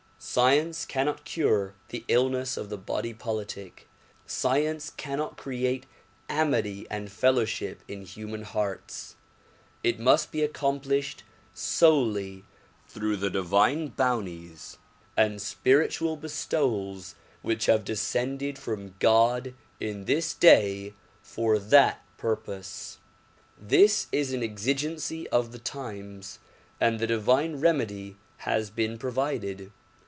Science cannot cure the illness of the body politic. Science cannot create amity and fellowship in human hearts. Neither can patriotism nor racial allegiance effect a remedy. It must be accomplished solely through the divine boun ties and spiritual bestowals which have descended from God in this day for that purpose. This is an exigency of the times and the divine remedy has been provided.